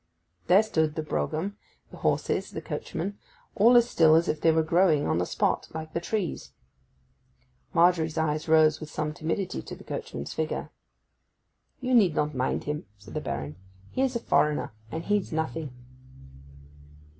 There stood the brougham, the horses, the coachman, all as still as if they were growing on the spot, like the trees. Margery's eyes rose with some timidity to the coachman's figure. 'You need not mind him,' said the Baron. 'He is a foreigner, and heeds nothing.